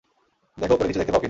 দেখো উপরে কিছু দেখতে পাও কিনা।